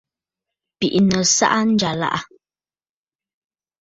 Bìʼinə̀ saʼa njyàlàʼà.